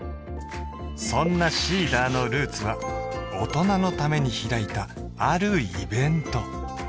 そんなＳｅｅｄｅｒのルーツは大人のために開いたあるイベント